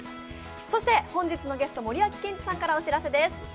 本日のゲスト、森脇健児さんからお知らせです。